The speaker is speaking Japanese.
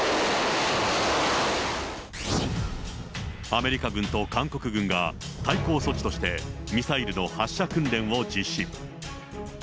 アメリカ軍と韓国軍が、対抗措置としてミサイルの発射訓練を実施。